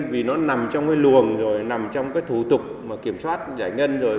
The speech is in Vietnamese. vì nó nằm trong cái luồng rồi nằm trong cái thủ tục kiểm soát giải ngân rồi